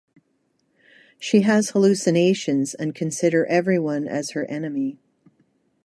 She has hallucinations and consider everyone as her enemy.